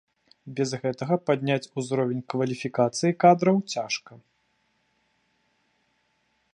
Без гэтага падняць узровень кваліфікацыі кадраў цяжка.